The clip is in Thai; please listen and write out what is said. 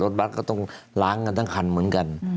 บัตรก็ต้องล้างกันทั้งคันเหมือนกัน